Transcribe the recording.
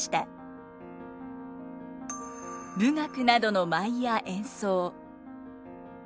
舞楽などの舞や演奏。